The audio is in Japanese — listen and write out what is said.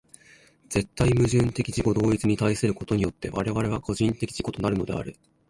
絶対矛盾的自己同一に対することによって我々は個人的自己となるのである。